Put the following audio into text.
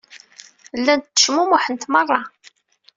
Llant tecmumuḥent merra.